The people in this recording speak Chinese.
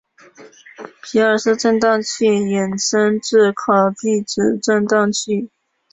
皮尔斯震荡器衍生自考毕子振荡器。